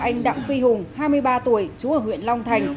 anh đặng phi hùng hai mươi ba tuổi chú ở huyện long thành